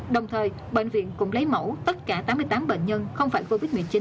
đồng thời bệnh viện cũng lấy mẫu tất cả tám mươi tám bệnh nhân không phải covid một mươi chín